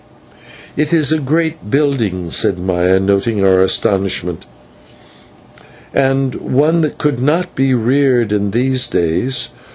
"It is a great building," said Maya, noting our astonishment, "and one that could not be reared in these days.